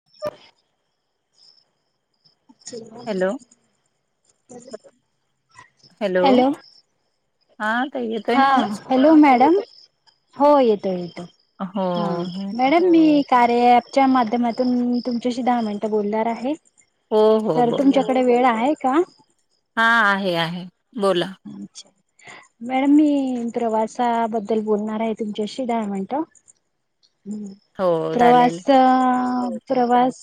[unintelligible] Hello [unintelligible] hello. हा ताई येतोय हा ना आवाज हॅलो मॅडम. हो येतो येतो हो हा मॅडम मी कार्या अँपच्या माध्यमातून तुमच्याशी दहा मिनटं बोलणार आहे. हो हो हो तर बोला तुमच्याकडे वेळ आहे का. हा आहे आहे बोला. अच्छा मॅडम मी प्रवासाबद्दल बोलणार आहे तुमच्याशी दहा मिनिटं. ह हो चालेल प्रवास प्रवास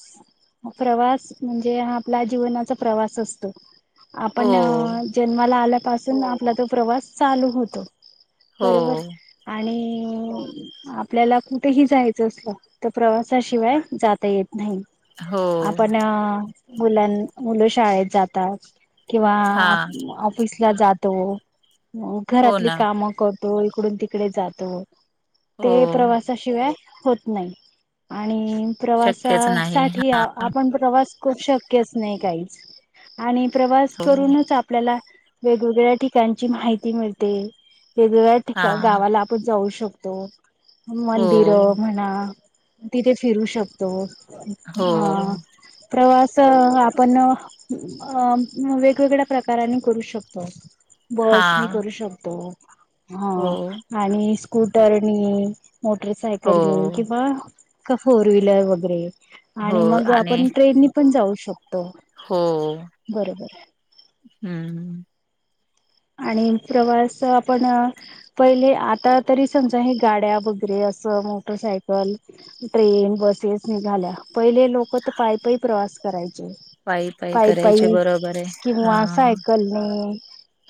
प्रवास म्हणजे हा आपला जीवनाचा प्रवास असतो. हो आपण जन्माला आल्यापासून आपला तो प्रवास चालू होतो. हो. बरोबर आणि आपल्याला कुठेही जायचं असलं तर, प्रवासाशिवाय जाता येत नाही हो आपण मुलां मुलं शाळेत जातात. किंवा हा ऑफिसला जातो हो घरातली ना काम करतो. तो इकडून तिकडे जातो हो ते प्रवासाशिवाय होत नाही. आणि शक्यच नाही हा प्रवासासाठी आपण प्रवास खूप शक्यच नाही काहीच आणि प्रवास हो करूनच आपल्याला वेगवेगळ्या ठिकाणची माहिती मिळते. वेगवेगळ्या हा ठिकाण गावाला आपण जाऊ शकतो. हो मंदिर म्हणा तिथे फिरू शकतो. हो हा प्रवास आपण वेगवेगळ्या प्रकारने करू शकतो. हा बस नी करू शकतो. हा हो आणि स्कूटरनी मोटरसायकलनी हो किंवा का फोर व्हीलर वगैरे हो आणि मग आणि आपण ट्रेननी पण जाऊ शकतो. हो बरोबर हम्म आणि प्रवास आपण पहिले आता तरी समजा हे गाड्या वगैरे मोटरसायकल ट्रेन बसेस निघाल्या पहिले लोक तर पाय पायी प्रवास करायचे पायी पायी पाय करायचे पायी बरोबर आहे हा किंवा सायकलने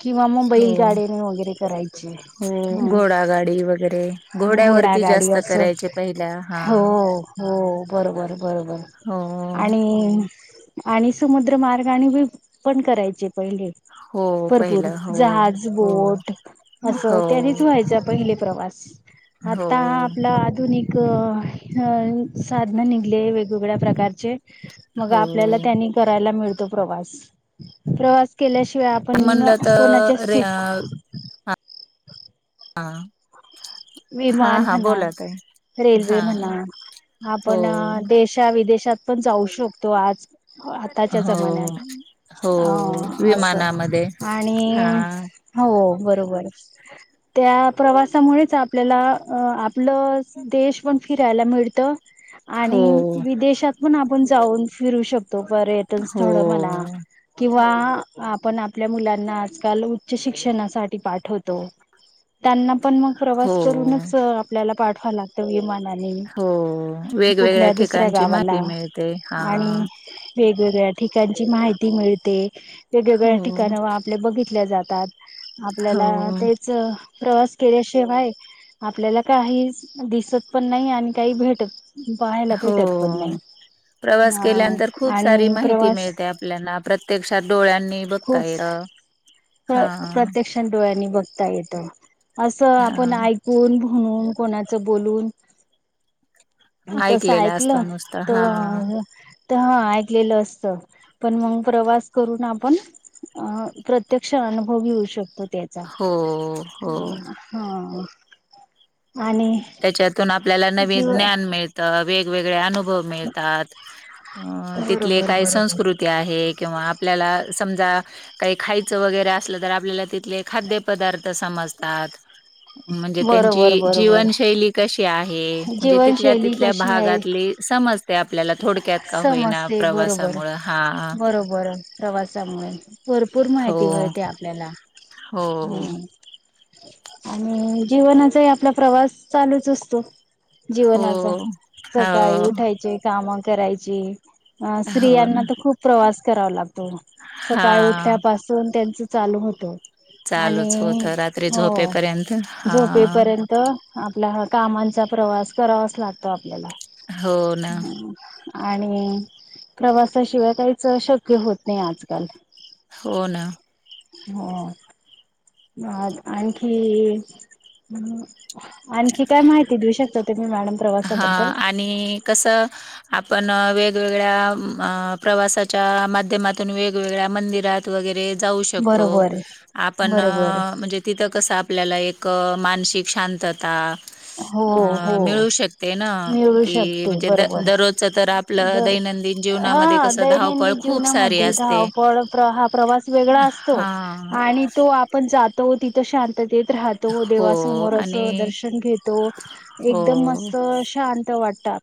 किंवा मुंबई हो गाडीने वगैरे करायचे हो घोडागाडी वगैरे हम्म घोडा घोड्यावरती गाडी जास्त अस करायचे पहिल्या हा हो हो बरोबर बरोबर हो आणि आणि समुद्र मार्ग आणि पण करायचे पहिले, हो भर पूर पहिलं हो जहाज हो बोट अस हो त्यानीच व्हायच पहिले प्रवास हो आता हा आपला आधुनिक पद्धतीने एक अ साधन निघले वेगवेगळ्या प्रकारचे मग हो आपल्याला त्यांनी करायला मिळतो प्रवास प्रवास केल्या शिवाय शीवाय आपण म्हणलं कोणाचे तर रे अ सुख हा हा विमान हा म्हणा बोला ताई हा रेल्वे म्हणा हो आपण देशा विदेशात पण जाऊ शकतो आज आताच्या हो जमान्यात हो अ असं विमानामध्ये हा आणि हो बरोबर त्या प्रवासामुळेच आपल्याला आपलं देश पण फिरायला मिळतं हो आणि विदेशात पण आपण जाऊन फिरू शकतो त पर्यटन हो स्थळ म्हणा कि वा आपण आपल्या मुलांना आजकाल उच्च शिक्षणासाठी पाठवतो त्यांना पण मग प्रवास हो करूनच आपल्याला पाठवा लागतो विमान हो वेगवेगळ्या कुठल्या दुसऱ्या ठिकाणची माहिती गावाला मिळते हा आणि वेगवेगळ्या ठिकाणची माहिती मिळते वेगवेगळ्या हो ठिकाण आपल्या बघितल्या जातात आपल्याला हो तेच प्रवास केल्याशिवाय आपल्याला काहीच दिसत पण नाही आणि काही भेटत पाहायला भेटत पण हो नाही प्रवास हा केल्यानंतर खूप सारी आणि माहिती प्रवास मिळते आपल्याला प्रत्यक्षात डोळ्यांनी बघता येत हा प्रत्यक्ष डोळ्यांनी बघता येत असं आपण हा ऐकून म्हणून कोणाचं बोलून तसं ऐकलेला असतो ऐकलं नुसतं हा त तर हा ऐकलेलं असत पण मग प्रवास करून आपण प्रत प्रत्यक्ष अनुभव घेऊ शकतो त्याचा हो हो हा आणि त्याच्यातून आपल्याला नवीन किंवा ज्ञान मिळतं वेगळे अनुभव मिळतात तिथले बरोबर काही बरोबर संस्कृती आहे किंवा आपल्याला समजा काही खायचं वगैरे असलं तर आपल्याला तिथले खाद्य पदार्थ समजतात म्हणजे बरोबर त्यांची बरोबर जीवनशैली कशी आहे हे म्हणजे तिथल्या जीवनशैली तिथल्या कशी आहे भागातली समज ते आपल्याला थोडक्यात का होईना समजते बरोबर प्रवासामुळे हा बरोबर प्रवासामुळे भरपूर हो माहिती मिळते आपल्याला हम्म हो आणि जीवनाचाही आपला प्रवास चालूच असतो हो जीवनाचा सकाळी हो उठायचे कामं करायची हो ना स्त्रियांना तर खूप प्रवास करावा लागतो सकाळी उठल्या हा पासून त्यांच चालू होतो चालूच आणि होत रात्री हो झोपेपर्यंत हा झोपे पर्यंत आपल कामांचा प्रवास करावाच लागतो आपल्याला हो ना आणि प्रवासाशिवाय काहीच शक्य होत नाही आजकाल हो ना. हो आणखी.. ह आणखी काय माहिती देऊ शकता तुम्ही मॅडम? हा प्रवासाबद्दल आणि कस.. आपण वेगवेगळ्या अं प्रवासाच्या माध्यमातून वेगवेगळ्या मंदिरात वगैरे.. जाऊ शकतो. बरोबर आपण बरोबर म्हणजे, तिथं कस आपल्याला एक मानसिक शांतता, हो हो अं मिळू शक ते नं मिळू की शकते म्हणजे द बरोबर दररोजच तर आपलं बर दैनंदिन जीवनामध्ये हा कसं धावपळ दैनंदिन खूप सारी जीवनामध्ये असते. धावपळ हा प्रवास वेगळा असतो हां. आणि तो आपण जात तो तिथं शांततेत राहतो, हो देवासमोर असं आणि दर्शन घेत तो हो. एकदम मस्त शांत वाटतात.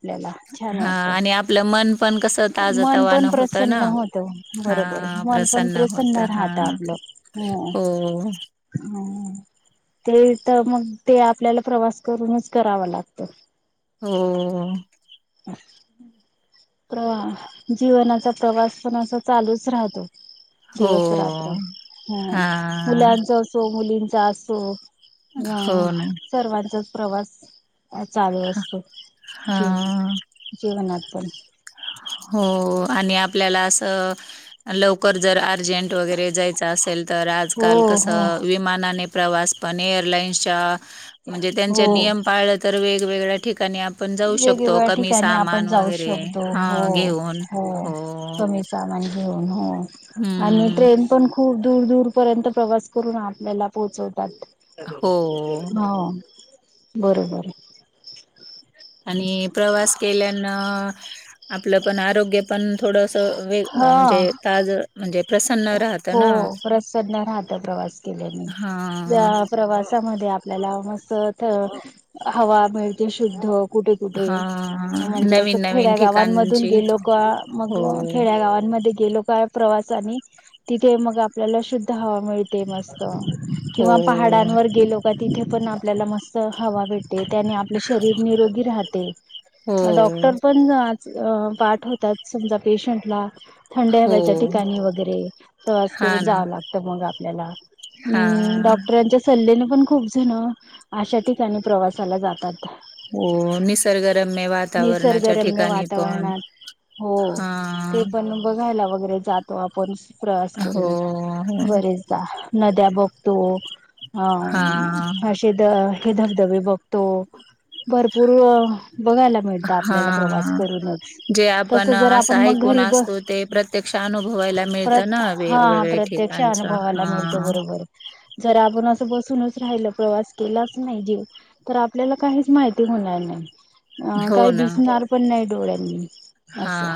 हां आणि आपलं मन मन कसं मन ताजतवान पण होतं ना, प्रसन्न होत बरोबर हां मन पण प्रसन्न होत राहत हां. हो.. रिकामा ऑडिओ ते तर मग ते आपल्याला प्रवास करूनच करावा लागतं. हो. प्रवाह जीवनाचा प्रवास पण असा चालूच राहतो. हो दिवस रात्र हं हा मुलांचा असो. मुलींचा असो, हो हं ना सर्वांचाच प्रवास चालू असतो. हा जेव जीवनात पण. हो आणि आपल्याला असं, लवकर जर अर्जंट वगैरे जायचं असेल तर हो आजकाल हो कसं, विमानाने प्रवास पण एअरलाईन्सच्या म्हणजे त्यांचे हो नियम पाळलं तर वेगवेगळ्या ठिकाणी आप वेगवेगळ्या ठिकाणी आपण जाऊ शकतो. हा हो घेऊन हो हो कमी सामान हो ना आणि हम्म ट्रेन पण खूप दूर दूर पर्यंत प्रवास करून आपल्याला पोहोचवतात, हो हो. बरोबर. आणि प्रवास केल्यानं आपलं पण आरोग्य पण थोडंस अं हे हा म्हणजे ताज म्हणजे प्रसन्न राहत हो ना प्रसन्न राहतं प्रवास केल्याने. हा या प्रवासामध्ये आपल्याला मस्त थ हवा मिळते शुद्ध. कुठे कुठे हा म्हणजे असं नवीन नवीन खेड्यागावांमधून ठिकाणची गेलो का मग हो खेड्यागावां मध्ये गेलो काय प्रवास आणि तिथे मग आपल्याला शुद्ध हवा मिळते मस्त. हो किंवा पहाडांवर गेलो का तिथे पण आपल्याला मस्त हवा भेट ते त्यांनी आपलं शरीर निरोगी राहते हो डॉक्टर पण अं पाठवतात समजा पेशंटला थंड हो हव्याच्या ठिकाणी होत रे प्रवास हा करून ना जावं लागतं मग आपल्याला. हा हं डॉक्टरांच्या सल्ल्याने पण खूप जण अशा ठिकाणी प्रवासाला जातात. हो निसर्गरम्य वातावरणाच्या निसर्गरम्य ठिकाणी पण... वातावरणात हो हा ते पण बघायला वगैरे जातो आपण. प्रवास हो करून, हो बरेचदा नद्या बघतो हा हं अशी तर ते धबधबे बघतो. भरपूर बघायला मिळतं आपल्याला प्रवास हा करूनच तसं जर आपण मग कोण असतो ते प्रत्यक्ष अनुभव प्रत हा प्रत्यक्ष ठिकाणच अनुभवाला हा मिळतो बरोबर. जर आपण असं बसूनच राहिलो, प्रवास केलाच नाही जी तर आपल्याला काहीच माहिती होणार नाही. अ हो काही ना दिसणार पण नाही डोळ्यांनी हा असं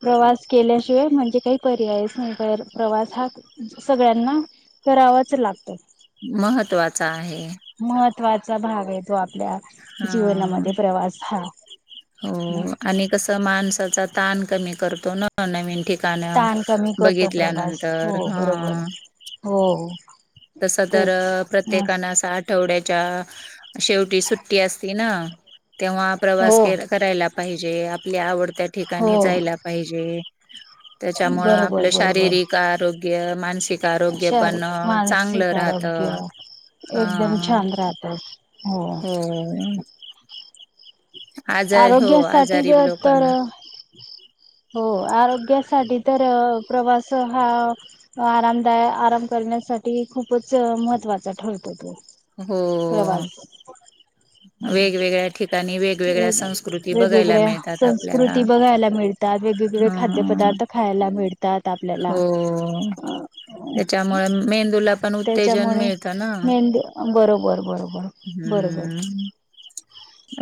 प्रवास केल्याशि ते म्हणजे काही.. पर्यायच नाहीतर, प्रवास हा सगळ्यांना करावाच लागतो. महत्त्वाचा आहे. महत्त्वाचा भाग आहे तो आपल्या, हा जीवनामध्ये प्रवास हा... हम्म. हो आणि कस माणसाचा ताण कमी करतो ना नवीन ठिकाणी.. ताण कमी न करतो प्रवास हो बघितल्यानंतर ह... बरोबर हो तस तर तेच मस् प्रत्येकाना अस आठवड्या शेवटी सुट्टी असती ना तेव्हा हो प्रवास करायला पाहिजे जे आपल्या आवडत्या हो ठिकाणी जायला पाहिजे.. त्याच्यामुळ बरोबर आपलं बरोबर शारीरिक आरोग्य मानसिक आरोग्य पण शारीरिक मानसिक चांगलं राहत. आरोग्य हा एकदम छान राहतात.. हो... आजार हो आरोग्यासाठी आजारी ज तर... लोकांना हो आरोग्यासाठी तर.. प्रवास हा आरामदाय आराम करण्यासाठी खूपच महत्त्वाचा ठरतो तो... हो प्रवास वेगवेगळ्या ठिका.. व वेगवेगळ्या मिळतात आपल्याला संस्कृती बघायला मिळतात वेगवेगळे हा खाद्यपदार्थ... खायला मिळ... आपल्याला हो अ त्याच्यामुळे मेंदूला पण उत्तेजन त्याच्यामुळे... मिळतं ना मेंद बरोबर... बरोबर बरोबर हम्म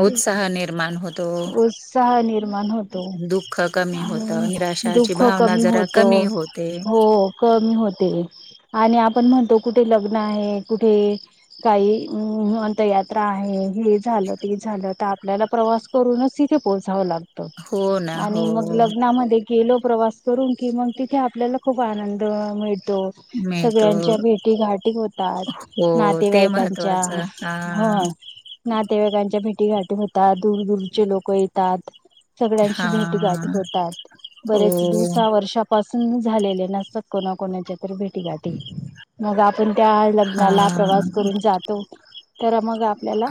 उत्साह निर्माण... होतो उत्साह निर्माण होतो दुःख कमी होत आणि निराशाची दुख भावना कमी जरा होतो... कमी होते हो कमी होते आणि आपण म्हणतो... कुठे लग्न आहे कुठे काही अंतयात्रा आहे... हे झालं ते झालं तर आपल्याला प्रवास करूनच तिथे पोहोचावं लागत... हो ना आणि हो मग लग्नामध्ये गेलो... प्रवास करून की मग तिथे आपल्याला खूप आनंद मिळत... तो मिळतो सगळ्यांच्या भेटी घाटी होतात हो ते नातेवाईकांच्या... महत्त्वाचं हा हो नातेवाईकांच्या भेटी गाठी होतात दूर दूरचे लोक येतात... सगळ्यांची हा भेटी गाठी होतात हो बरेच दिवसा वर्षापासून.... झालेले नसतात कोणा कोणाच्या तर भेटीगाठी मग... आपण त्या हा लग्नाला प्रवास करून जातो तर मग... आपल्याला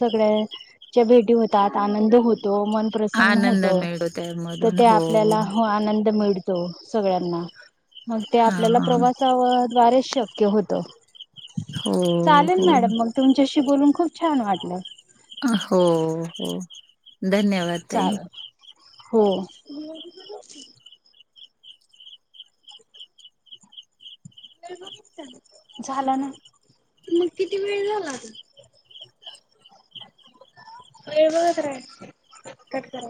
सगळ्याच्या भेटी होतात आनंद होत... तो मनप्रसन्न आनंद होत मिळतो तर त्यामधून ते हो आपल्याला आनंद मिळत.... सगळ्यांना मग ते हा आपल्याला प्रवासाद्वारेच शक्य होत... हो चालेल हो मॅडम मग तुमच्याशी बोलून खूप छान वाटलं... हो हो धन्यवाद ताई... चालेल हो.. झालं ना मग किती वेळ झाला आता... वळबसय कट करा..